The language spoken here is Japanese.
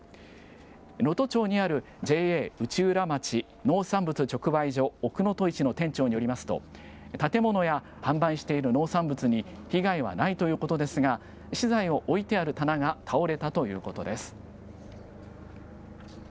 能登町にあるＪＡ内浦町農産物直売所おくのといちの店長によりますと、建物や販売している農産物に被害はないということですが、資材を置いてある棚が倒れたということです。